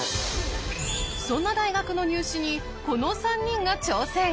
そんな大学の入試にこの３人が挑戦！